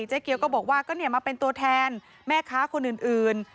เจ๊เกียวก็บอกว่าก็มาเป็นตัวแทนแม่ค้าคนอื่น